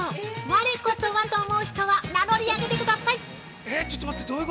我こそはと思う人は名乗り上げてくださーい！